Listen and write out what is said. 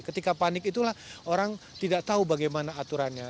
ketika panik itulah orang tidak tahu bagaimana aturannya